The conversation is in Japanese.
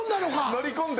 乗り込んで。